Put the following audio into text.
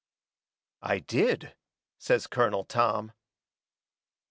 "I did," says Colonel Tom.